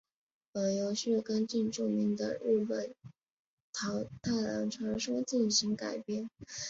本游戏根据著名的日本桃太郎传说进行改编。